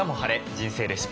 人生レシピ」。